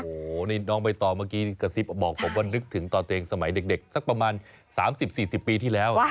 โอ้โหนี่น้องใบตองเมื่อกี้กระซิบบอกผมว่านึกถึงตอนตัวเองสมัยเด็กสักประมาณ๓๐๔๐ปีที่แล้ว